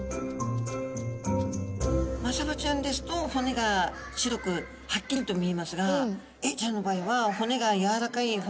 マサバちゃんですと骨が白くはっきりと見えますがエイちゃんの場合は骨があっ！